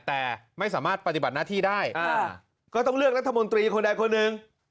แต่ไม่สามารถปฏิบัติหน้าที่ได้ก็ต้องเลือกรัฐมนตรีคนใดคนหนึ่ง